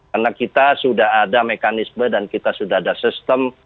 karena kita sudah ada mekanisme dan kita sudah ada sistem